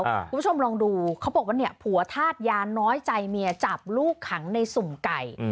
คุณผู้ชมลองดูเขาบอกว่าเนี่ยผัวธาตุยาน้อยใจเมียจับลูกขังในสุ่มไก่